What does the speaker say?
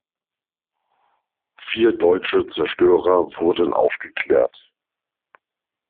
Vier deutsche Zerstörer wurden aufgeklärt.